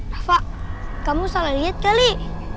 rafa kamu salah liat kali